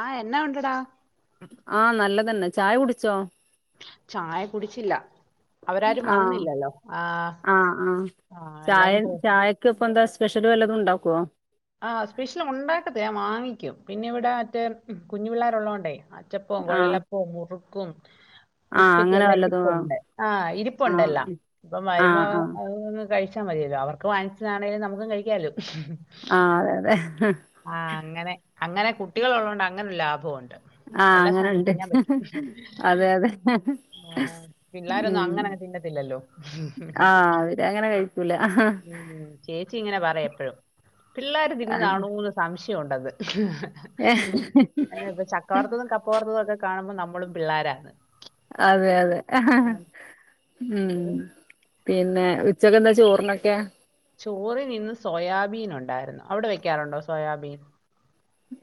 ആ എന്ന ഉണ്ട് എടാ ആ നല്ലതന്നെ. ചായ കുടിച്ചോ? ചായ കുടിച്ചില്ല അവരാരും ആഹ് വന്നില്ലല്ലോ ആഹ് ആ ആഹ് ചായ എല്ലാരും പോ ചായക്ക് ഇപ്പൊ എന്താ സ് പെഷ്യല് വല്ലതും ണ്ടാക്കോ? ആ സ്പെഷ്യൽ ഉണ്ടാക്കത്തില്ല ഞാൻ വാങ്ങിക്കും പിന്നെ ഇവിടെ മറ്റേ കുഞ്ഞു പിള്ളേരുല്ലോണ്ടേ അച്ചപ്പോം, ആഹ് കൊഴലപ്പോം, മുറുക്കും കും ആഹ് ബിസ്കറ്റ് അങ്ങനെ എല്ലാം വല്ലതും ആഹ് ഇരിപ്പുണ്ട് ആഹ് ഇരിപ്പുണ്ട് എല്ലാം ഇപ്പൊ മരുമ ആഹ് ആഹ് വന്ന് കഴിച്ച- മതിയല്ലോ അവർക്ക് വാങ്ങിച്ചതാണെങ്കിലും നമുക്കും കഴിക്കാലോ ആഹ് ആഹ് അതെ അതെ ആ അങ്ങനെ അങ്ങനെ കുട്ടികൾ ഉള്ളതൊണ്ട് അങ്ങനൊരു ലാഭ - പോണ്ട് ആഹ് എല്ലാ സാധനവും അങ്ങനുണ്ട് തിന്നാൻ പറ്റില്ല അതെ അതെ ആ പിള്ളോരൊന്നും ഉം അങ്ങനെങ്ങെ തിന്നത്തില്ലല്ലോ ആഹ് അവര് അങ്ങനെ കഴിക്കൂല ഉ ചേച്ചി ഇങ്ങനെ പറ എപ്പോഴും പിള്ളോരു തിന്നുതാണോന്ന് സംശയം എനിക്കും ഉണ്ടത് ഏ കാണുമ്പോൾ നമ്മളും പിള്ളാരാ അതെ അതെ ഉം അത് പിന്നെ ഉച്ചക്കെന്താ ചോറിനൊക്കെ ചോറി നിന്ന് സോയാബീൻ ഉണ്ടായിരുന്നു അവിടെ വെക്കാറുണ്ടോ സോയാബീൻ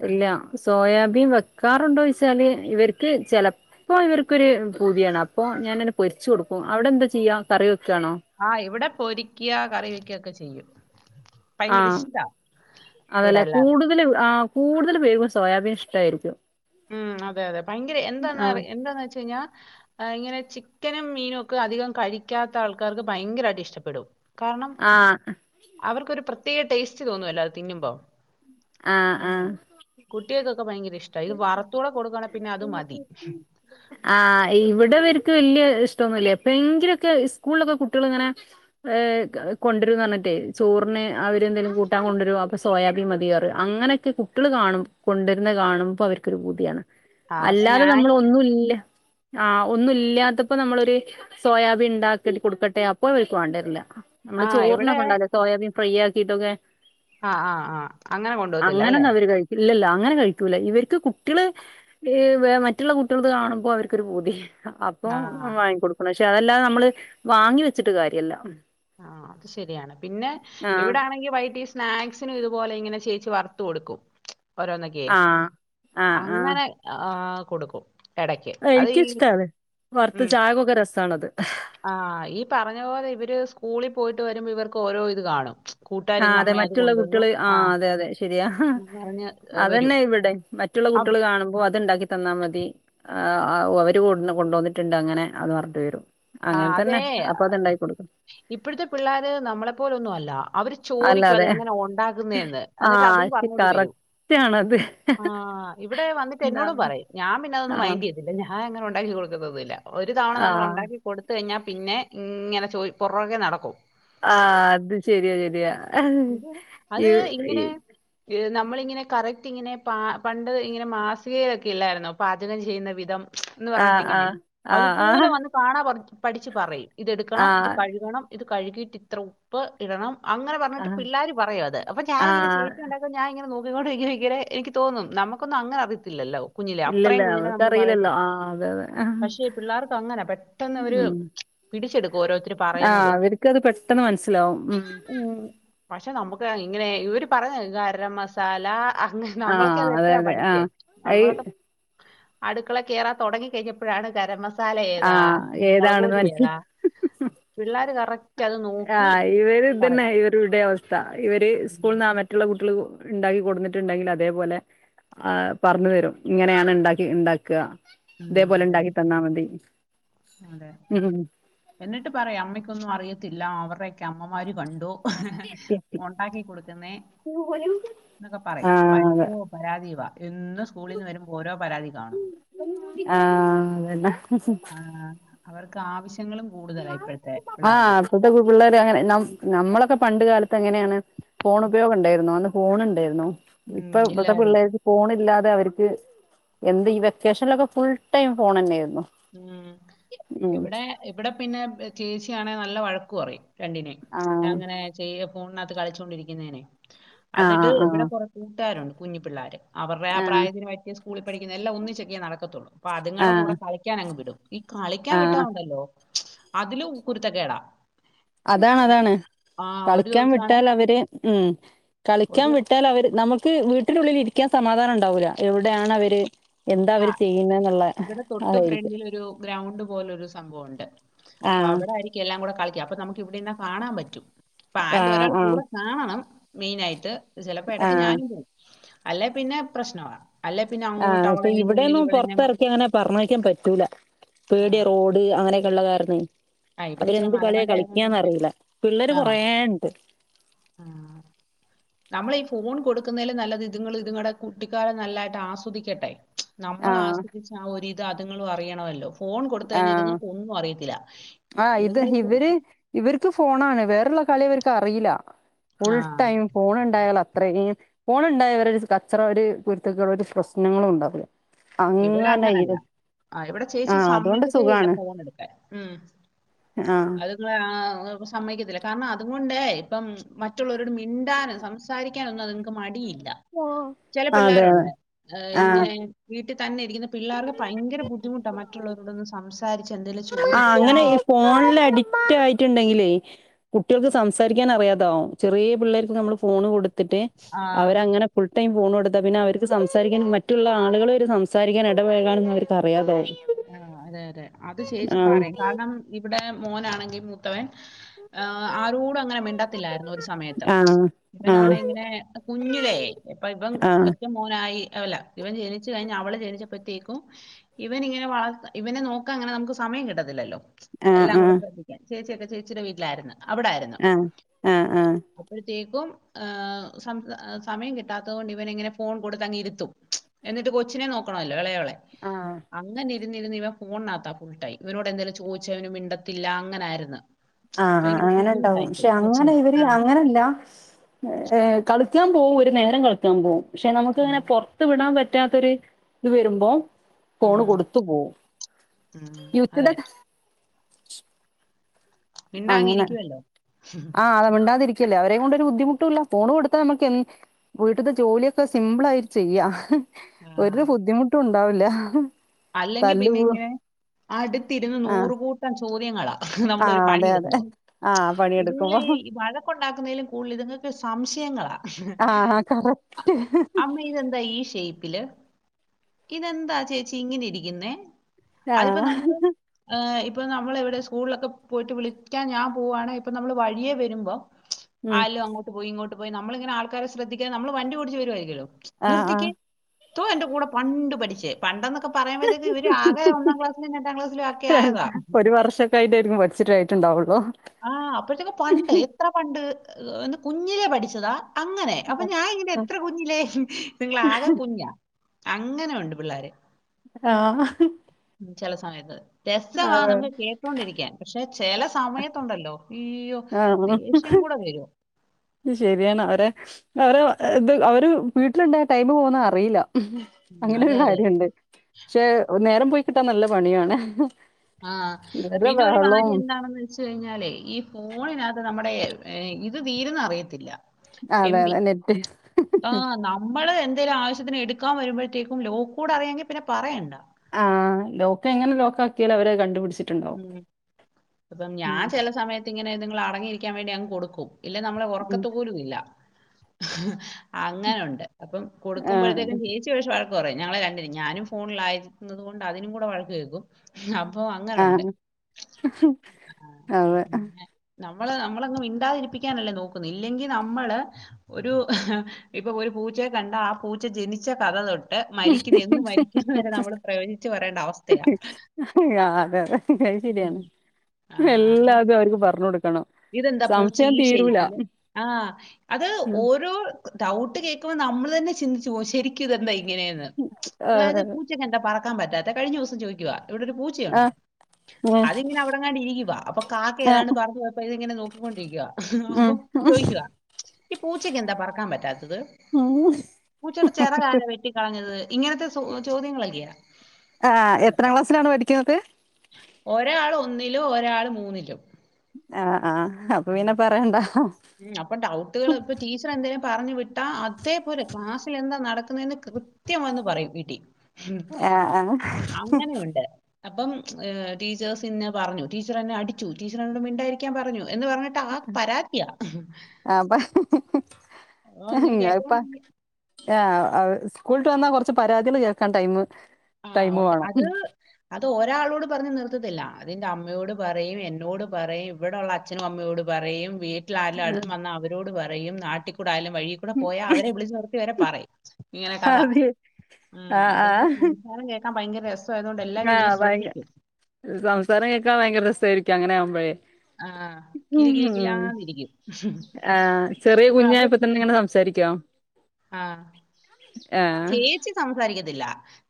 ഇല്ല സോയാബീൻ വെക്കാറുണ്ടോ ച്ചാല് ഇവർക്ക് ചെലപ്പോ ഇവർക്കൊരു പൂതിയാണ് അപ്പൊ ഞാനങ്ങ് പൊരിച്ചു കൊടുക്കും അവിടെ എന്താ ചെയ്യാ കറിവെ - ആഇവിടെ പൊരിക്കിയ കറി വെക്കക്കെ ചെയ്യും ആ ഭയങ്കര ഇഷ്ടാ അതല്ല ഇവിടെ എല്ലാവർക്കും. കൂടുതൽ ആ കൂടുതൽ ഫേമസ് സോയാബീൻ ഇഷ്ട്ടായിരിക്കും ഉം അതെ അതെ ഭയങ്കര എന്താന്ന എന്താന്ന് വെച്ചഴിഞ്ഞാ അ ഇങ്ങനെ ചിക്കനും മീനും ഒക്കെ അധികം കഴിക്കാത്ത ആൾക്കാർക്ക് ഭയങ്കരായിട്ട് ഇഷ്ടപ്പെടും കാരണം ആഹ് അവർക്കൊരു പ്ര ത്യേ ടേസ്റ്റ് തോന്നുഅല്ലോ അത് തിന്നുമ്പോ ആഹ് [unintelligible] കുട്ട്യേക്കൊക്കെ ഭയങ്കര ഇഷ് ട്ടയ്‌ർ ആ ഇവിടെ വര്ക് വെല്യെ ഏ ഇഷ്ടൊന്നുല്യ എപ്പഴങ്കിലൊക്കെ സ്കൂൾലൊക്കെ കുട്ട്യേള് ങ്ങനെ ഏ കെഹ് കൊണ്ട്രുന്നർഞ്ഞിട്ടേ ചോർന് അവര് എന്തേലും കൂട്ടാൻ കൊണ്ട്രു അപ്പൊ സോയാബീൻ മതിയാറ്. അങ്ങനെയൊക്കെ കുട്ടികൾ കാണും കൊണ്ടരുന്നത് കാണും പ്പോവർക്കൊരു പൂതിയാണ് ആ അല്ലാതെ നമ്മള സ്നാക്സ് ഒന്നുംല്ല ആ ഒന്നും ഇല്ലാത്തപ്പോ നമ്മളൊരു സോയാബീൻ ഉണ്ടാക്കിട്ട് കൊടുക്കട്ടെ അപ്പൊ അവർക്ക് വേണ്ടിരില്ല നമ്മള് ആ ഇവിടെ ചോർനൊക്കെ ഒണ്ടാവില്ലേ സോയാബീൻ ഫ്രീയാക്കിട്ടൊക്കെ ആ ആ ആ അങ്ങനെ കൊണ്ട് പോവത്തില്ലല്ലേ ഇല്ലില്ല അങ്ങനെ കഴിക്കൂല ഇവർ കുട്ടികള് മറ്റുള്ള കുട്ടികൾ കാണുമ്പോൾ അവർക്കൊരു പൂതി അപ്പൊ ആ വാങ്ങി കൊടുക്കണ പക്ഷെ അതല്ലാതെ നമ്മള് വാങ്ങി വെച്ചിട്ട് കാര്യവില്ല ആ അത് ശരിയാണ് പിന്നെ ആഹ് ഇവിടൊണെങ്കി വൈകി സ്നാക്സിനും ഇതുപോലെ ഇങ്ങനെ ചേച്ചി വറുത്തു കൊടുക്കും ഓരോന്നക്കയെ ആഹ് ആഹ് അങ്ങനെ ആഹ് ആ കോ ഇടക്ക് അത്ഈ എനിക്കും ഇഷ്ടാണ് ഉ വറുത്ത് ചായക്കൊക്കെ രസാണത് ആ ഈ പറഞ്ഞ പോലെ ഇവര് പോയിട്ട് വരുമ്പോ ഇവർക്ക് ഓരോ ഇത് കാണും കൂട്ടുകാർ ആ ഇന്ന് അതെ അമ്മ അത് മറ്റുള്ള കൊണ്ടുവന്നു കുട്ടികള് ആ അതെ അതെ ശരിയാ എന്ന് പറഞ്ഞ് വരും അതന്നെ ഇവിടെ മറ്റുള്ള അപ്പ- കുട്ടികള് കാണുമ്പോ അത്ണ്ടാക്കി തന്നാ മതി ആ ഒ അവര് കൊണ്ട് വന്നിട്ടുണ്ട് അങ്ങനെ അത് പറഞ്ഞിട്ട് വരും ആ അങ്ങനെ തന്നെ അതെ അപ്പൊ അത്ണ്ടാക്കി കൊടുക്കും ഇപ്പഴത്തെ പിള്ളോര് നമ്മളെപ്പോലൊന്നും അല്ല അവര് ചോദിക്കും അല്ലാതെ അതെങ്ങനെ ഉണ്ടാക്കുന്നെ എന്ന് ആ എന്നിട്ട് അതും പറഞ്ഞോണ്ട് വരും കറക്റ്റ് ആണത് ആ ഇവിടെ വന്നിട്ട് ആ എന്നോടും പറയും ഞാൻ പിന്നെതന്നും മൈൻഡ് ചെയ്തില്ല ഞാൻങ്ങനെ ഉണ്ടാക്കി കൊടുക്കതോന്നില്ല ഒരു തവണ ആ നമ്മൾ ഉണ്ടാക്കി കൊടുത്ത് കഴിഞ്ഞാൽ പിന്നെ ഇങ്ങനെ ചോയ് പുറൊക്കെ നടക്കും ആഹ അത് ശരിയാ ശരിയാ അത് ഈ അത് ഈ ഇങ്ങനെ - നമ്മളിങ്ങനെ കറക്റ്റ് ഇങ്ങനെ പ പണ്ട് ഇങ്ങനെ മാസികയിലൊക്കെ ഇല്ലായിരുന്നോ പാചകം ചെയ്യുന്ന വിധം എന്ന് ആ പറഞ്ഞിട്ട് ആ ഇങ്ങനെ ആ ആ അതുപോലെ വന്ന് കാണാ പറ- പഠിച്ചു പറയും ആ ഇതെടുക്കണം ഇത് കഴുകണം ഇത് കഴുകിയിട്ട് ഇത്ര ഉപ്പ് ഇടണം അങ്ങനെ ആ പറഞ്ഞിട്ട്- പിള്ളോര് പറയും അത് അപ്പ ആ ഞാനിങ്ങനെ ചേച്ചി ഉണ്ടാക്കും ഞാ ഇങ്ങനെ നോക്ക- ക്കികൊണ്ട് ഇങ്ങനെ എനിക്ക് തോന്നും നമക്കൊന്നും അങ്ങനെ അറിയത്തില്ലല്ലോ കുഞ്ഞിലേ ഇല്ലല്ല അത്രയും കുഞ്ഞിനെ നമ്മൾ അവർക്കറിയില്ലല്ലോ പറയത്തില്ലേ ആ അതെ അതെ പക്ഷേ പിള്ളേർക്ക് അങ്ങനാ പെട്ടെന്ന് അവര് ഉം പിടിച്ചെടുക്കും ഓരോരുത്തർ ആ പറയുന്നത് അവർക്ക് അത് പെട്ടെന്ന് മനസിലാവും ഉം പക്ഷെ നമുക്ക് ഇങ്ങനെ ഇവര് പറയണകേക്ക ഗരമസാല അങ്ങ് ആ നമ്മളക്കെ അതെ അത്പ്പഴാ അതെ ആ പഠിച്ചേ അയ് നമ്മളൊക്കെ അടുക്കളെ കയറൻ തുടങ്ങി കഴിഞ്ഞപ്പോഴാണ് ഗരമ മസാല ആ ഏതാ ഏതാണെന്ന് മുളകുപൊടി ഏതാ പിള്ളേർ കറക്റ്റ് അത് ആ നോക്കി ഇവര് ഇതന്നെ പറയും ഇവരുടെ അവസ് സ്ഥ ഇവര് ഉം. സ്കൂളന്ന് അ മറ്റുള്ള കുട്ടികള് ഇണ്ടാക്കി കൊടുന്നിട്ടുണ്ടെങ്കിൽ അതേപോലെ അ പറഞ്ഞുതരും ഇങ്ങനെയാണ് ഇണ്ടാക്കി ഇണ്ടാക്അ ഉം ഇതേപോലെ അതെ ഉണ്ടാക്കി തന്നാ മതി അതെ ഉം എന്നിട്ട് പറയാം അമ്മക്കൊന്നും അറിയത്തി എല്ല അവറെക്കെ അമ്മമാര് കണ് ഒ ഉണ്ടാക്കി കൊടുക്കുന്നേ എന്നൊക്കെ പറയും ആഹ് അതെ വരുവോ പരാതി വാ എന്നും സ്കൂളിൽ നിന്ന് വരുമ്പോ ഓരോ പരാതി കാണും ആഹ് അതന്നെ ആ അവർ ക് ആവശ്യ ആ ഇപ്പോത്തെ പിള്ളേർ അങ്ങനെ നമ് നമ്മളൊക്കെ പണ്ട് കാലത്ത് ത്ത് എങ്ങനെയാണ് ഫോൺ ഉപയോഗം ഉണ്ടായിരുന്നോ അന്ന് ഫോൺ ഉണ്ടായിരുന്നോ ഉം ഇപ്പ ഇവിത്തെ ഇല്ലായിരുന്നു പിള്ളേർക്ക് പോണില്ലാത അവർക്ക് എന്ത് ഈ വെക്കേഷനൊക്കെ ഫുൾടൈം ഫോണന്നെയായിരുന്നു ഉം ഇവിടെ എ ഇവിടെ പിന്നെ ചേച്ചിയാണെങ്കി നല്ല വഴക്ക് പറയും രണ്ടിനെ ആഹ് അങ്ങനെ ചെയ ഫോണിനകത്ത് കളിച്ചുകൊണ്ടിരിക്കുന്നേനെ എന്നിട്ട് ആഹ് ഇവിടെ ആഹ് കൊറെ കൂട്ടുകാരുണ് കുഞ്ഞി പിള്ളാര് അവരുടെ ആ ആഹ് പ്രായത്തിന് പറ്റിയ സ്കൂളിൽ പഠിക്കുന്ന എല്ലാം ഒന്നിച്ചൊക്കേ നടക്കത്തുള്ളൂ അപ്പൊ അതുങ്ങളടെ ആഹ് കൂടെ കളി വിടും ഈ കളിക്കാൻ വിട്ട ആഹ് ഉണ്ടല്ലോ അതിലും കുരുത്തകേടാ അതാണ് അതാണ് ഒരു കളിക്കാൻ ദിവസമാണ് വിട്ടാൽ അവര് ഉം കളിക്കാൻ ഒരു വിട്ടാൽ അവര് നമുക് ക്ക് വീട്ടിലുള്ളിൽ ഇരിക്കാൻ സമാധാനം ഉണ്ടാവൂല്ല എവിടെയാണ് അവര് എന്താ ആ അവര് ചെയ്യുന്നേന്നുള്ള ഇവിടെ തൊട്ട് അതായിരിക്കും ഫ്രണ്ടിലൊരു ഗ്രൗണ്ട് പോലൊരു സംഭവുണ്ട് അപ്പൊ ആഹ് അവിടായിരിക്കും എല്ലാം കൂടെ കളി ക്കാ അപ്പൊ നമുക്ക് ഇവിടിന്നാ കാണാൻ പറ്റും- പ അരേല് ആഹ് ഒരാള് ആഹ് കൂടെ കാണണം- മെയിനായിട്ട്- ചെലപ്പോ ഇടയ്ക്ക് ആഹ് ഞാനും പോകും- അല്ലെ പിന്നെ പ്രശ്നമാണ്- അല്ലെ പിന്നെ അങ്ങോട്ട് ആഹ് പക്ഷെ അവളന്നെ- ഇവിടെയൊന്നും പൊറത്തെറക്കി അങ്ങനെ പറഞ്ഞയ്ക്കാൻ പറ്റൂല- ആ, പേടിയ റോഡ് അങ്ങനെ- ള്ള കാരണേ- ആ, ഇവിടെ ഇച്ചിരി അവരെന്ത് കളിയാ മലമണ്ട ആയതുകൊണ്ട് പിന്നെ കളിക്കാന്നറിയില്ല പിള്ളേര് ആ കൊറേ ഉണ്ട്- നമ്മള ഈ ഫോൺ കൊടുക്കുന്നതില് നല്ലത് ഇതുങ്ങൾ ഇതുങ്ങളുടെ കുട്ടിക്കാലം നല്ലതായിട്ട് ആസ്വദിക്കട്ടെ- നമ്മൾ ആഹ് ആസ്വദിച്ച ആ ഒരു- ഇത് അതുങ്ങളും അറിയണവല്ലോ- ഫോൺ കൊടുത്ത് കഴിഞ്ഞാൽ ഇതുങ്ങക്ക് ഒന്നും അറിയത്തില്ല- ഇ- ആഹ ഇത് ഇതുങ്ങൾ തന്നെ ചു- ഇവര് ഇവർക്കും ഫോണാണ് വേറള്ള കളി അവർക്ക് അറിയില്ല- ആ ഫുൾ ടൈം ഫോൺ ഉണ്ടായൽ അത്രയും ഫോൺ ഉണ്ടായാ ഇവർ ഒരു കച്ചറ ഒരു കുരുത്തക്കുള്ള ഒരു പ്രശ്നങ്ങളും ഉണ്ടാവില- ഇവിടെ അങ്ങനല്ല ആ ഇവിടെ ചേച്ചി സ ആഹ് അതുകൊണ്ട് സമ്മദിക്കാതെയില്ല സുഖാണ് ഫോൺ എടുക്കാൻ ഉം ആഹ് അ സമക്കത്തില്ല കാരണം അതുകൊണ്ട് ഇപ്പം മറ്റുള്ളവരോട് മിണ്ടാനും സംസാരിക്കാനൊന്നും അത്ങ്ങക്ക് മടിയില്ല ചില അതെ പിള്ളേരുണ്ട് ആഹ് ഇങ്ങനെ വീട്ടിൽ തന്നെയിരി ക്കുന്നപിള്ളേർടെഭയങ്കര ബുദ്ധിമുട്ടാണ് മറ്റുള്ളവരൊടൊന്ന് സംസാ ആ അങ്ങനെ ഫോണിൽ അഡിക്റ്റ് ആയിട്ടുണ്ടെങ്കിലേ കുട്ടികൾക്ക് സംസാരിക്കാൻ അറിയാതാവും ചെറിയ പിള്ളേർക്ക് നമ്മൾ ഫോൺ കൊടുത്ത് ആഹ് കൊട്ത്തിട്ട്അവരങ്ങനെ ഫുൾടൈം ഫോണ്എ- പിന്നെ അവർക്ക് സംസാരിക്കാൻ മറ്റുള്ള ആളുകൾ അവര് സംസാരിക്കാൻ ഇടപഴകാ അവർക്ക്റിയാതാവും ആഹ് അതെ അതെ- അതചേച്ചിപറയും ആഹ് കാരണം ഇവിടെ- മോനാണെങ്കി മൂത്തവൻ ഹ് ആരോടും അങ്ങനെ മിണ്ടത്തില്ലായിരുന്നു ഒരു സമയത്ത് ആഹ് ഇവനാണ ആഹ് ഇങ്ങനെ കുഞ്ഞിലേ ഇപ്പൊ ഇവൻ ആഹ് ഒറ്റ മോനായി അവല്ല ഇവൻ ജനിച്ചു കഴിഞ്ഞ് അവള് ജനിച്ചപ്പത്തേക്കും ഇവനിങ്ങനെ നെ വളർത്ത ഇവനെ നോക്കാ അങ്ങനെ നമുക്ക് സമയംകിട്ടത്തില്ലല്ലോ എല്ലാം ആഹ് കൂടെ ശ്രദ്ധിക്കാൻ ചേച്ചിയൊക്കെ ചേച്ചിടെ വീട്ടിലാരുന്നു ആ ആ ആ ഇപ്പോം ഹ് സം സമയം കിട്ടാത്തത് കൊണ്ട് ഇവനിങ്ങനെ ഫോൺ കൊടുത്തങ്ങിരുത്തും എന്നിട്ട് കൊച്ചിനെ നോക്കണല്ലോ ഇളയാളെ ആഹ് അങ്ങനെ ഇരുന്നിരുന്നിവൻ ഫോണിനകത്താ ഫുൾടൈം ഇവനോട് എന്തേലും ചോദിച്ചാ അവന് മിണ്ടത്തില്ല അങ്ങനാരുന്നു ആ അ അങ്ങനെണ്ടാവും ക്ഷെ അങ്ങനെ കൊച്ചിന് ഇവര് ആ അങ്ങനെല്ല കളി ക്കാൻ പോവും ഒരു നേരം കളിക്കാൻ പോവും ക്ഷെ ഉം. നമുക്ക്ങ്ങനെ പൊറത്ത് വിടാൻ പറ്റി റ്റാത്തൊരു ഇത് വരുമ്പോ ഫോണ് ഉം. കൊടുത്തു പോവും ഉം. അതെ [unintelligible] ച്ച് മിണ്ടാങ്ങി അങ്ങനെ ഇരിക്കുമല്ലോ ആ അത് മിണ്ടാതിരി ക്കില്ല അവരെ കൊണ്ടൊരു ബുദ്ധിമുട്ടുല്ല ഫോണ് കൊടുത്താ നമുക്ക് എൻ വീട്ട്ത്തെ ജോലിയൊക്കെസിമ്പിളായിട്ട് ചെയ്യാം ഒരു ബുദ്ധിമുട്ടു ണ്ടാവില്ല അല്ലെങ്കി പിന്നെ ഇനെ അടുത്തിരുന്ന് ആഹ് നൂറുകൂട്ടം ചോദ്യ ദ്യങ്ങളാ നമ്മളൊരു ആഹ് അതെ അതെ പണിയെടുക്കുമ്പോ ആഹ് പണിയെടുക്കുമ്പോ ഇതുങ്ങളേയ് വഴക്കണ്ടാക്കുന്നതിലും കൂടുതൽ ഇതുങ്ങക്ക് സംശയങ്ങളാ ആഹ് കറക്റ്റ് അമ്മ ഇതെന്താ ഈ ഷേപ്പില് ഇതന്താ ചേച്ച ച്ചിങ്ങിനിരിക്കുന്നേ അതിപ്പോ ആഹ് നമ്മള് ഏ ഇപ്പൊ നമ്മളിവിടെ സ്കൂളിലൊക്കെ പോയിട്ട് വിളിക്കാൻ ഞാൻ പോവുകയാണ് ഇപ്പം നമ്മൾ വഴിയേ വരുമ്പോൾ ഉം ആലും അങ്ങോട്ട് പോയി ഇങ്ങോട്ട് ഇത്പ്പൊ നമ്മളിങ്ങനെ ആൾക്കാരെ ശ്രദ്ധിക്കാൻ നമ്മള് വണ്ടി ഓടിച്ചു വരൂവായിരിക്കല്ലോ ആ ആ ത്തു എന്റെ കൂടെ പണ്ടു പഠിച്ചേ പണ്ടെന്ന് ക്കെ പറയുമ്പോഴത്തേക്കും ഇവർ ആകെ ഒന്നാം ക്ലാസിലും എട്ടാം ക്ലാസ്സിലും ഒക്കെ ആതാ ഓഹ് ആഹ് അപ്പഴത്തേക്ക് പണ്ട് എത്ര പണ്ട് ഒന്ന് കുഞ്ഞിലേ പഠിച്ചതാ അങ്ങനെ അപ്പൊ ഞാൻ ഇങ്ങനെ എത്ര കുഞ്ഞില്ലേ നിങ്ങളാകെ കുഞ്ഞാ അങ്ങനെ ഒണ്ട് പിള്ളാര് ആ ചെല സമയത്ത് രസവാ നമ്മക്ക് കേട്ടൊണ്ടിരിക്കാൻ പക്ഷെ ചെല സമയത്ത് അയ്യോ ദേഷ്യം കൂടെ വരുവാ അത് ശരിയാണ് അവരെ അവരെ ഇത് അവര് വീട്ടിലുണ്ടായ ടൈമ് പോകുന്ന അറിയില്ല ഉം, അങ്ങനെ ഒരു അതെ അതെ കാര്യവുണ്ട് പക്ഷെ നേരം പോയി കിട്ടാൻ നല്ല പണിയാണ് ആ ഇവരുടെ പിന്നെ ഒരു ബഹളവും കാര്യം എന്താണെന്ന് വെച്ച് കഴിഞ്ഞാലേ ഈ ഫോണിനകത്ത് നമ്മുടെ ഇത് തീര്ന്ന അറിയത്തില്ല എം അതെ ബി അതെ നെറ്റ് ഹ് ആ ഹ് നമ്മള് എന്തേലും ആവശത്തിന് എടുക്കാൻ വരുമ്പഴത്തേക്കും ലോക്കൂടെ അറിയാങ്കി പിന്നെ പറയണ്ട ആ ലോക്ക് എങ്ങനെ ലോക്ക ആക്കിയാലും അവര് അത് കണ്ടുപിടിച്ച് ഉം അപ്പം ഞാൻ ഉം ചെല സമയത്ത് ഇങ്ങനെ ഇതുങ്ങൾ അടങ്ങിയിരി രിക്കാൻ വേണ്ടി അങ്ങ് കൊടുക്കും ഇല്ലേ നമ്മളെ ഉം ഉറക്കത്ത് പോലും ഇല്ല [unintelligible] അങ്ങനെ ഉണ്ട് അപ്പം ആഹ് കൊടുക്കുമ്പോഴത്തേക്കും ചേച്ചി പക്ഷെ വഴക്ക് പറയും ഞങ്ങള് രണ്ടിനേം ഞാനും ഫോണിലായിരിക്കുന്നത് കൊണ്ട് അതിനും കൂടെ വഴക്ക് കേൾക്കും അ അപ്പോ അങ്ങനുണ്ട് ഉം [unintelligible] ആ അത് പിന്നെ ന നമ്മള് നമ്മളങ്ങ് മിണ്ടാതിരിപ്പിക്കാനല്ലേ നോക്കുന്ന ഇല്ലെങ്കിൽ നമ്മള് ഒരു ഹ്അ ഇപ്പൊ ഒരു പൂച്ചയെ കണ്ട ആ പൂച്ച ജനിച്ച കഥ തൊട്ട് മരിക്കുന്ന എന്ന് മരിക്കുന്ന വരെ നമ്മൾ പ്രവജിച്ചു പറയേണ്ട അവസ്ഥയാ ആ, അതെ അതെ അത് ഉം ശരിയാണ് ആ എല്ലാതും അവർക്ക് പറഞ്ഞ ഇതെന്താ പൂച്ച ഈ ഷേപ്പില് ആ അത് ഉം ഓരോ ഡൗട്ട് കേൾക്കുമ്പോ നമ്മള് തന്നെ ചിന്തിച്ചു ശരിക്കും ഇതെന്താ ഇ ങ്ങനേന്ന് [unintelligible] അതായത് അതെ പൂച്ചക്ക് എന്താ പറക്ക ക്കാൻ പറ്റാത്തെ കഴിഞ്ഞ ദിവസം ചോദിക്കുവാ ഇവിടെ ഒരു പൂച്ചയുണ്ട് ആഹ് ഉം അതിങ്ങനെ അവിടെങ്ങാണ്ട് ഇരിക്കുവ അപ്പൊ കാക്ക ആഹ് ഏതാണ്ട് പറന്ന് പോയപ്പോ ത് ങ്ങനെ നോക്കിക്കൊണ്ടിക്ക. ഉം അപ്പം ചോയിക്കുഅ. ഈ പൂച്ചക്ക് എന്താ പറക്കാൻ പറ്റാത്തത് ഉം പൂച്ചയുടെ ചിറക് ആരാ വെട്ടി കളഞ്ഞത് ത് ഇങ്ങനത്തെ സോ ചോദ്യങ്ങളൽകിയാ ആ എത്രാക്ലാസ്സിലാണ് പഠിക്ണത്? ഒരാൾ ഒന്നിലും ഒരാള് മൂന്നിലും ആ ആ അപ്പൊ പിന്നെ പറയണ്ടാ അപ്പൊ ഡൗട്ടുകൾ ഇപ്പം ടീച്ചർ പറഞ്ഞു വിട്ടാ അതേപോലെ ക്ലാസ്സിൽ എന്താ നടക്കുന്നത് എന്ന് കൃത്യം വന്ന് പറയും വിട്ടി ആ ആ അപ്പം ടിച്ചേഴസ് എന്ന പറഞ്ഞു ടീച്ചർ എന്നെ അടിച്ചു ടീച്ചർ എന്നോട് മിണ്ടാതിരിക്കാൻ പറഞ്ഞു എന്ന് പറഞ്ഞിട്ട് ആ പരാ അ അപ്പൊ ഇങ്ങനെ ഇപ്പ കേട്ടോണ്ട് ആ അവ- സ്കൂള് വിട്ട്‌ വന്നാൽ കുറച്ച് പരാതികള് കേൾക്കാ ടൈമ് അത് ടൈമ് ഉണ്ട് വേണം അത് അത് ഒരാളോട് പറഞ്ഞ് നിർത്ത്ന്നില്ല അതിന്റെ അമ്മയോട് പറയും, എന്നോട് പറയും ഇവിടുള്ള അച്ഛനും അമ്മയോട് പറയും വീ ഉം. വീട്ടിരായും [unintelligible] വന്ന അവരോട് പറയും പറയും നാട്ടിക്കൂടായാലും- വഴിക്കൂടെ പോയാ അവരെ വിളിച്ചു നിർത്തി വരെ പറയും ഇങ്ങനെ കഥ, അത് ഉം അവർക്കും കേൾക്കാൻ ഭയങ്കര രസ- ആ ഭയങ്ക സംസാരം കേക്കാൻ ഭയങ്കര രസായി ക്കങ്ങനെ ആകുമ്പഴേ ആ കിലി കിലി കിലാന്നിരിക്കും ആ ചെറിയ അപ്പൊ അവര് കുഞ്ഞായപ്പ തന്നെ ഇങ്ങനെ സംസാരി [unintelligible] ആ ചേച്ചി സംസാരിക്കത്തില്ല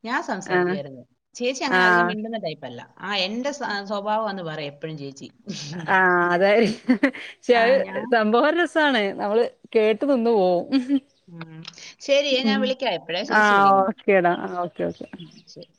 ഞാൻ ആഹ് സംസാരിക്കുയിരുന്നു ചേച്ചി അങ്ങനെ അധികം ആഹ് മിണ്ടുന്ന ടൈപ്പല്ല ആ എന്റെ സ്വഭാവാ എന്ന് പറി എപ്പോഴും ചേച്ചി ആ അതായി ഷേ ആ അഹ് ഞാൻ സംഭവം രസ സാണ് നമ്മള് കേട്ട് നിന്ന് പോവും ഉം ശരി ഞാൻ ഉം വിളിക്ക എപ്പഴേ ചേച്ചി ആഹ് വിളിക്കുന്നു ഓക്കേടാ ആഹ് ഓക്കെ ഓക്കെ ഉം ശരി